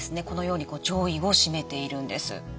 このように上位を占めているんです。